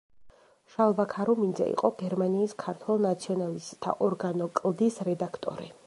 შალვა ქარუმიძე იყო გერმანიის ქართველ ნაციონალისტთა ორგანო „კლდის“ რედაქტორი.